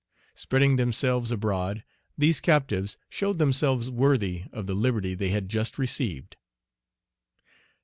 Spreading themselves abroad, these captives showed themselves worthy of the liberty they had just received.